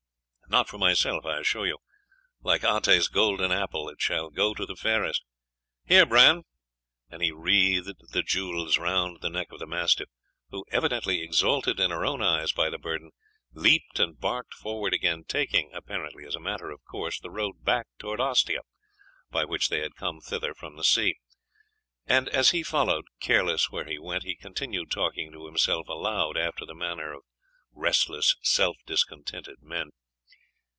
'Not for myself, I assure you. Like Ate's golden apple, it shall go to the fairest. Here, Bran!' And he wreathed the jewels round the neck of the mastiff, who, evidently exalted in her own eyes by the burden, leaped and barked forward again, taking, apparently as a matter of course, the road back towards Ostia, by which they had come thither from the sea. And as he followed, careless where he went, he continued talking to himself aloud after the manner of restless self discontented men.